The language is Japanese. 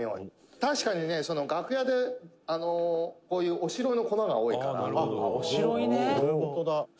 「確かにね、楽屋で、こういうおしろいの粉が多いから」